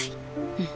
うん。